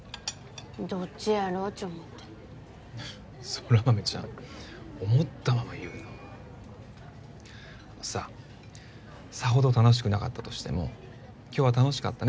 どっちやろうち思ってフッ空豆ちゃん思ったまま言うなあのささほど楽しくなかったとしても「今日は楽しかったね」